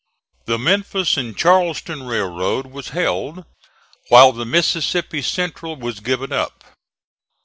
The Memphis and Charleston railroad was held, while the Mississippi Central was given up.